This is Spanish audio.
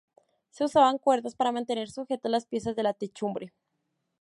Se usaban cuerdas para mantener sujetas las piezas de la techumbre.